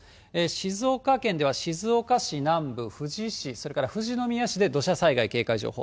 静岡県では、静岡市南部、富士市、それから富士宮市で土砂災害警戒情報。